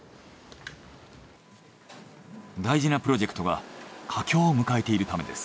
大事なプロジェクトが佳境を迎えているためです。